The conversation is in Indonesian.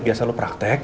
biasa lo praktek